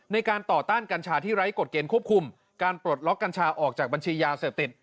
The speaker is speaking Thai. ในการต่อต้านกัญชาที่ไร้กฎเกณฑ์ควบคุมการปลดล็อกกัญชาออกจากบัญชียาเสพติด